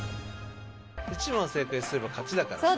１問正解すれば勝ちだからさ。